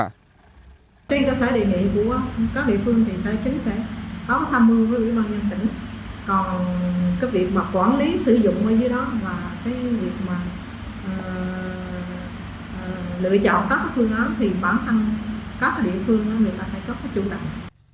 trên cơ sở địa nghị của các địa phương thì xã chính sẽ có tham mưu với ủy ban nhân tỉnh còn việc quản lý sử dụng ở dưới đó và lựa chọn các phương án thì bản thân các địa phương người ta phải cấp trung đẳng